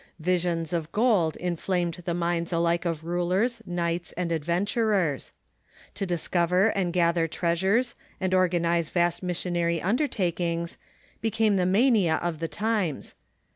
Vi sions of gold inflamed the minds alike of rulers, knights, and 28 434 THE CHUKCH IX THE UNITED STATES adventurers. To discover and gather treasures and organize vast missionary undertakings became the mania of the times.